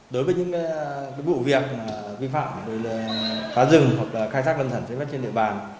đối với những vụ việc vi phạm khá rừng hoặc khai thác lâm thần trên địa bàn